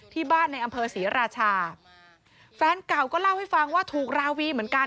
ที่บ้านในอำเภอศรีราชาแฟนเก่าก็เล่าให้ฟังว่าถูกราวีเหมือนกัน